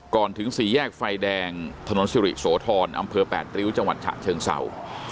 ถึงสี่แยกไฟแดงถนนสิริโสธรอำเภอแปดริ้วจังหวัดฉะเชิงเศร้า